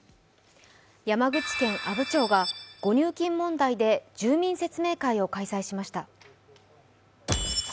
山口県阿武町が誤入金問題で住民説明会を開催しました。